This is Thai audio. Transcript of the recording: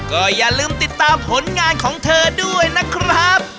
ก็อย่าลืมติดตามผลงานของเธอด้วยนะครับ